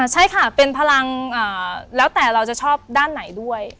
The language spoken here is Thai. ใช่ค่ะเป็นพลังแล้วแต่เราจะชอบด้านไหนด้วย